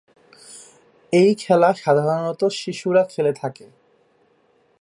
এই খেলা সাধারনত শিশুরা খেলে থাকে।